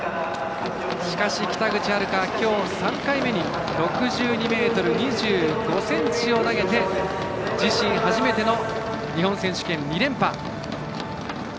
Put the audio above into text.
しかし、北口榛花きょう３回目に６２ｍ２５ｃｍを投げて自身初めての日本選手権２連覇。